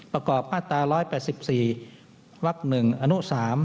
ประกอบมาตรา๑๘๔วัก๑อนุ๓